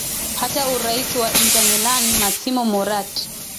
hata urais wa inter millam masimo murati